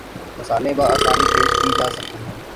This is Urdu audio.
مثالیں باآسانی پیش کی جا سکتی ہیں